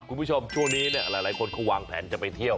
คุณผู้ชมช่วงนี้เนี่ยหลายคนเขาวางแผนจะไปเที่ยว